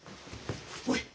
おい。